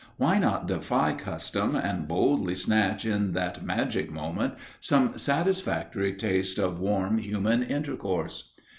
Why not defy custom and boldly snatch in that magic moment some satisfactory taste of warm human intercourse?